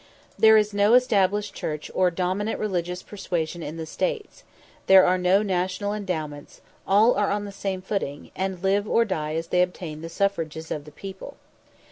There is no established church or dominant religious persuasion in the States. There are no national endowments; all are on the same footing, and live or die as they obtain the suffrages of the people.